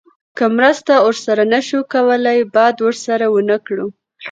که مرسته ورسره نه شو کولی بد ورسره ونه کړو.